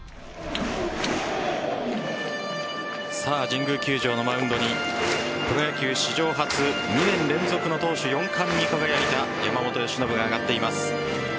神宮球場のマウンドにプロ野球史上初２年連続の投手４冠に輝いた山本由伸が上がっています。